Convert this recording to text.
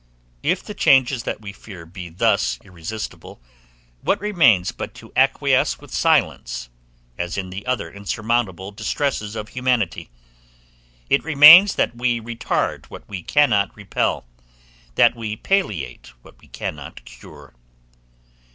If the changes that we fear be thus irresistible, what remains but to acquiesce with silence, as in the other insurmountable distresses of humanity? It remains that we retard what we cannot repel, that we palliate what we cannot cure.